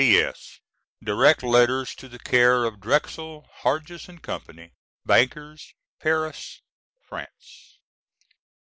P.S. Direct letters to the care of Drexel, Harjes, & Co., Bankers, Paris, France.